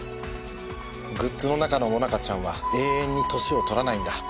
グッズの中の萌奈佳ちゃんは永遠に年を取らないんだ。